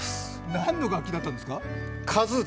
何の楽器だったんですか？